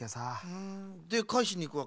ふんでかえしにいくわけ？